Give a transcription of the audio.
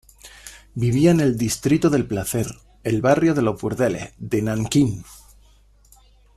Vivía en el distrito del placer, el barrio de los burdeles, de Nankín.